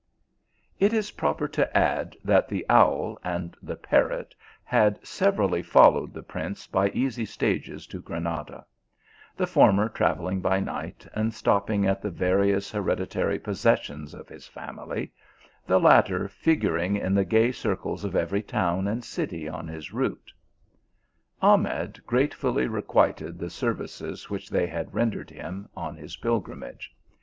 It is proper to add, that the owl and the parrot had severally followed the prince by easy stages to Granada : the former travelling by night, and stop ping at the various hereditary possessions of his family ; the latter figuring in the gay circles of every town and city on his route. 223 THE ALHAMBRA Ahmed gratefully requited the services which they had rendered him on his pilgrimage.